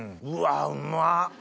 うわうまっ。